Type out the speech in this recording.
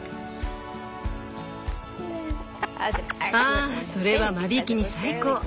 あそれは間引きに最高。